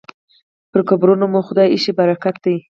پر قبرونو مو خدای ایښی برکت دی